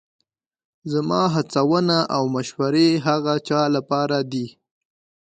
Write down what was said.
زما هڅونه او مشورې هغه چا لپاره دي